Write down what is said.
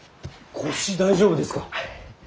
腰大丈夫ですか。